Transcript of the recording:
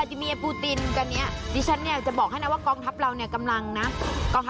อีกไหนก็ได้สักกินหนึ่งนะคะ